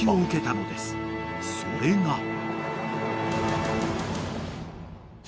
［それが］